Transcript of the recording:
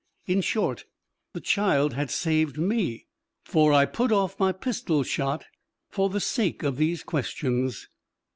In short, the child had saved me, for I put off my pistol shot for the sake of these questions.